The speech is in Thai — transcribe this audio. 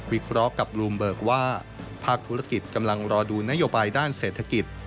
เคราะห์กับลูมเบิกว่าภาคธุรกิจกำลังรอดูนโยบายด้านเศรษฐกิจ